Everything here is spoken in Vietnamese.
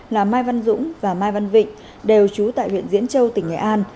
là mai văn dũng và mai văn vịnh đều chú tại huyện diễn châu tỉnh nghệ an